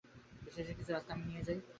শেষের কিছুটা রাস্তা আমি নিয়ে যাই?